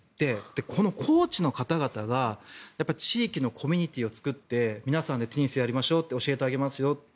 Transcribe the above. このコーチの方々が地域のコミュニティーを作って皆さんでテニスをやりましょう教えてあげますよ。